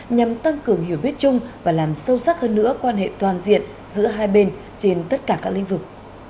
nhằm tăng cường hiểu biết chung và làm sâu sắc hơn nữa quan hệ toàn diện giữa hai bên trên tất cả các lĩnh vực